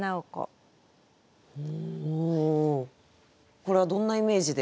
これはどんなイメージで？